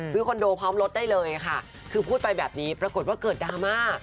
คอนโดพร้อมรถได้เลยค่ะคือพูดไปแบบนี้ปรากฏว่าเกิดดราม่า